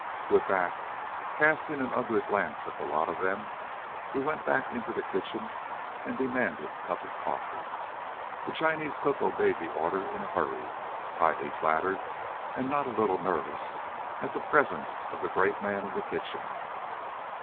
With that, casting an ugly glance at the lot of them, he went back into the kitchen and demanded a cup of coffee. The Chinese cook obeyed the order in a hurry, highly flattered and not a little nervous at the presence of the great man in the kitchen.